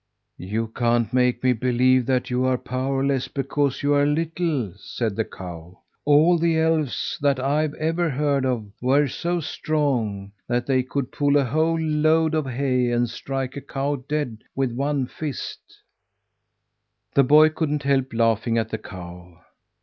"You can't make me believe that you are powerless because you are little," said the cow. "All the elves that I've ever heard of, were so strong that they could pull a whole load of hay and strike a cow dead with one fist." The boy couldn't help laughing at the cow.